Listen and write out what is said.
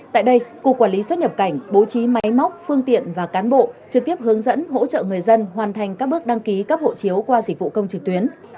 tại đây cục quản lý xuất nhập cảnh bố trí máy móc phương tiện và cán bộ trực tiếp hướng dẫn hỗ trợ người dân hoàn thành các bước đăng ký cấp hộ chiếu qua dịch vụ công trực tuyến